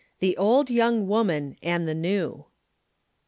THE OLD YOUNG WOMAN AND THE NEW.